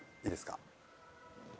いいですか？